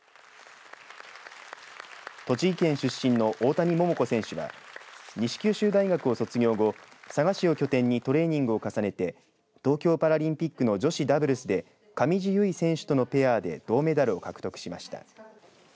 栃木県出身の大谷桃子選手は西九州大学を卒業後佐賀市を拠点にトレーニングを重ねて東京パラリンピックの女子ダブルスで上地結衣選手とのペアで銅メダルを獲得しました。